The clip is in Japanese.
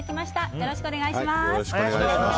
よろしくお願いします。